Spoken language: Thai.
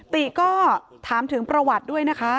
ติก็ถามถึงประวัติด้วยนะคะ